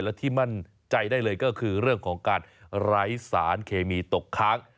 และที่มั่นใจได้เลยก็คือเรื่องของการไร้สารเคมีตกค้าง